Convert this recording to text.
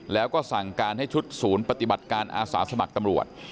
แล้วก็สั่งการให้ชุดศูนย์ปฏิบัติการอาสาสมัครตำรวจ